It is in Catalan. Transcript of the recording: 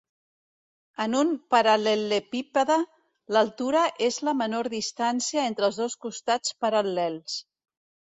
En un paral·lelepípede, l'altura és la menor distància entre els dos costats paral·lels.